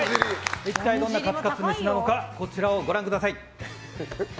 一体どんなカツカツ飯なのかこちらをご覧ください。